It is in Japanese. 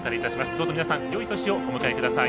どうぞ皆さん、よいお年をお迎えください。